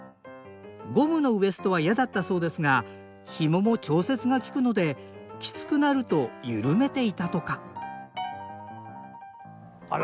ゴムのウエストは嫌だったそうですがひもも調節が利くのできつくなると緩めていたとかあら。